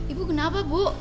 ibu kenapa bu